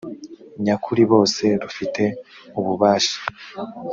nyakuri bose rufite ububasha